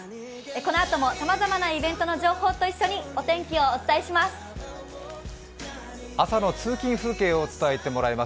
このあともさまざまなイベントの情報と一緒にお伝えします。